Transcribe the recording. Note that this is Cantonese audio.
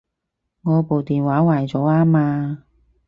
我部電話壞咗吖嘛